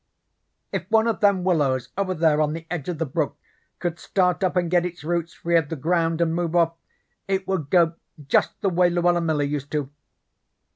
If one of them willows over there on the edge of the brook could start up and get its roots free of the ground, and move off, it would go just the way Luella Miller used to.